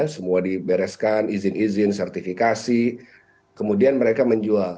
semua dibereskan izin izin sertifikasi kemudian mereka menjual